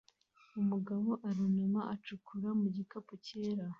Umugabo arunama acukura mu gikapu cyera